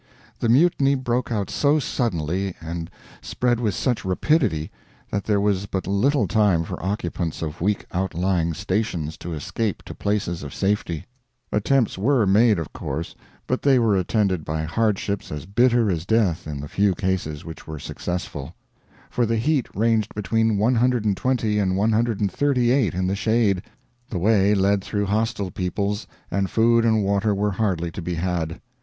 The Mutiny broke out so suddenly, and spread with such rapidity that there was but little time for occupants of weak outlying stations to escape to places of safety. Attempts were made, of course, but they were attended by hardships as bitter as death in the few cases which were successful; for the heat ranged between 120 and 138 in the shade; the way led through hostile peoples, and food and water were hardly to be had.